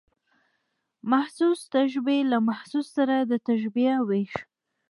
محسوس تشبیه له محسوس سره د تشبېه وېش.